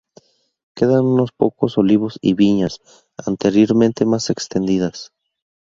Quedan unos pocos olivos y viñas, anteriormente más extendidas.